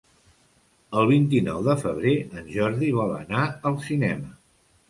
El vint-i-nou de febrer en Jordi vol anar al cinema.